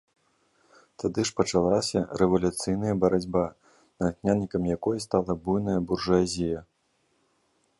Тады ж пачалася рэвалюцыйная барацьба, натхняльнікам якой стала буйная буржуазія.